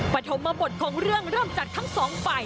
ปฐมบทของเรื่องเริ่มจากทั้งสองฝ่าย